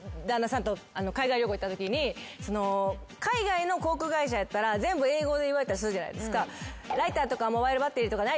行ったときに海外の航空会社やったら全部英語で言われたりするじゃないですか。